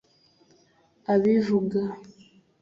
abivuga